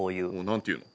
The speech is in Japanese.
何て言うの？